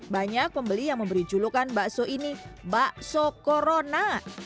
banyak pembeli yang memberi julukan bakso ini bakso corona